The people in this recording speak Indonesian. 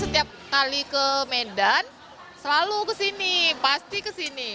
setiap kali ke medan selalu kesini pasti kesini